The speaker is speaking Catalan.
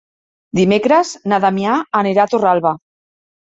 Dimecres na Damià anirà a Torralba.